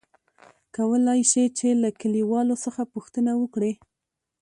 کولاى شې ،چې له کليوالو څخه پوښتنه وکړې ؟